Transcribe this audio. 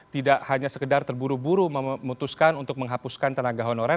tidak hanya sekedar terburu buru memutuskan untuk menghapuskan tenaga honorer